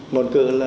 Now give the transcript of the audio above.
một cơ là